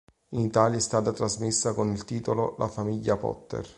In Italia è stata trasmessa con il titolo "La famiglia Potter".